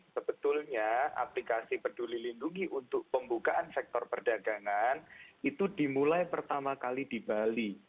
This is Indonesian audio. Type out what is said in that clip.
sebetulnya aplikasi peduli lindungi untuk pembukaan sektor perdagangan itu dimulai pertama kali di bali